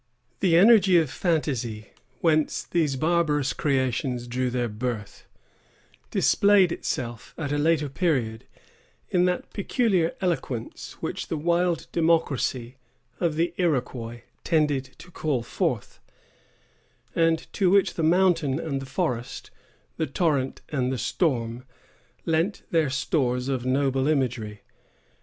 The energy of fancy, whence these barbarous creations drew their birth, displayed itself, at a later period, in that peculiar eloquence which the wild democracy of the Iroquois tended to call forth, and to which the mountain and the forest, the torrent and the storm, lent their stores of noble imagery.